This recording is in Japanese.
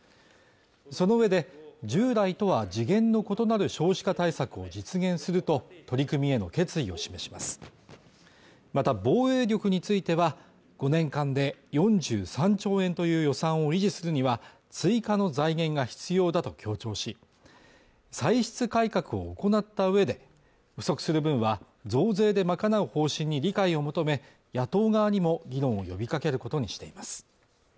その上で従来とは次元の異なる少子化対策を実現すると取り組みへの決意を示しますまた防衛力については５年間で４３兆円という予算を維持するには追加の財源が必要だと強調し歳出改革を行った上で不足する分は増税で賄う方針に理解を求め野党側にも議論を呼びかけることにしています